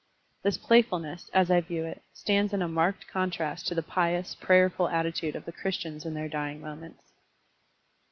This play ftdness, as I view it, stands in a marked contrast to the pious, prayerftd attitude of the Christians in their dying moments.